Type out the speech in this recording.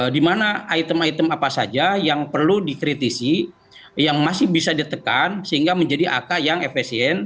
di mana item item apa saja yang perlu dikritisi yang masih bisa ditekan sehingga menjadi angka yang efesien